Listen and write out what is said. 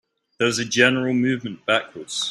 There was a general movement backwards.